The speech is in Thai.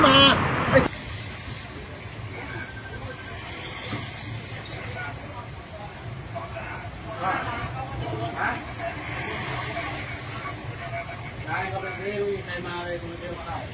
เมื่อ